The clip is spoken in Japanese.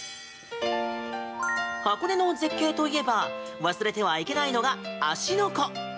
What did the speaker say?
箱根の絶景といえば忘れてはいけないのが芦ノ湖！